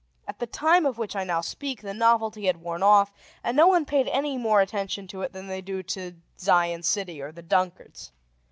At the time of which I now speak, the novelty had worn off, and no one paid any more attention to it than they do to Zion City or the Dunkards.